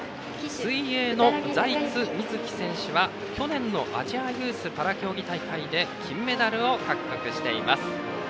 水泳の財津瑞希選手は、去年のアジアユースパラ競技大会で金メダルを獲得しています。